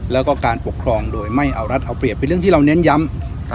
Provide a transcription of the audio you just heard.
แล้วก็การปกครองโดยไม่เอารัฐเอาเปรียบเป็นเรื่องที่เราเน้นย้ำ